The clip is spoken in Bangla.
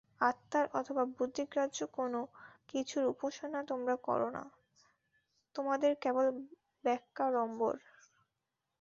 আত্মার অথবা বুদ্ধিগ্রাহ্য কোন কিছুর উপাসনা তোমরা কর না! তোমাদের কেবল বাক্যাড়ম্বর।